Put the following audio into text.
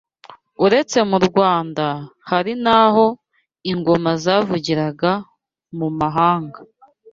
Uretse mu Rwanda, hari n’aho ingoma zavugiraga mu mahanga